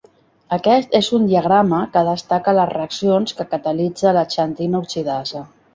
Aquest és un diagrama que destaca les reaccions que catalitza la xantina oxidasa.